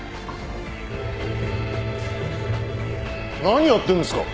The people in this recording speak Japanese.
何やってんですか。